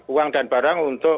uang dan barang untuk